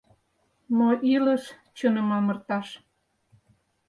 Но илыш чыным амырташ